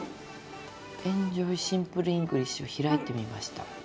「エンジョイ・シンプルイングリッシュ」を開いてみました。